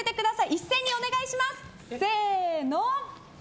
一斉にお願いします。